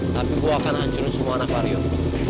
tapi gue akan hancurin semua anak warrior